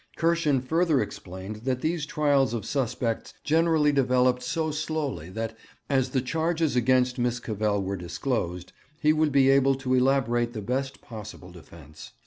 Kirschen further explained that these trials of suspects generally developed so slowly that, as the charges against Miss Cavell were disclosed, he would be able to elaborate the best possible defence.